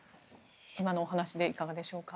今のお話でいかがでしょうか。